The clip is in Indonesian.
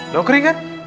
daun kering kan